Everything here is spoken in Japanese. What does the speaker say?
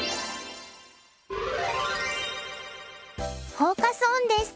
フォーカス・オンです。